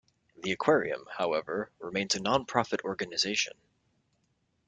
The aquarium, however, remains a nonprofit organization.